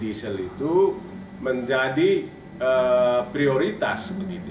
diesel itu menjadi prioritas